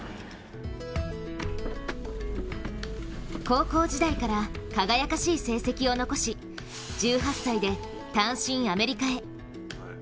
高校時代から輝かしい成績を残し１８歳で単身アメリカへ。